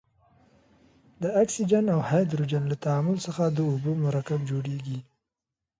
د اکسیجن او هایدروجن له تعامل څخه د اوبو مرکب جوړیږي.